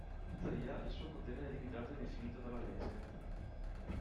Tuttavia, il suo potere è limitato e definito dalla legge.